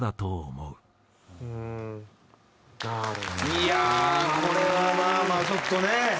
いやあこれはまあまあちょっとね。